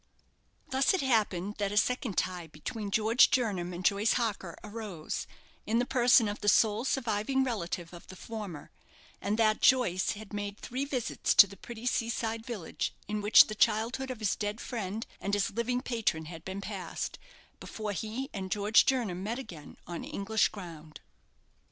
Thus it happened that a second tie between George Jernam and Joyce Harker arose, in the person of the sole surviving relative of the former, and that Joyce had made three visits to the pretty sea side village in which the childhood of his dead friend and his living patron had been passed, before he and George Jernam met again on English ground.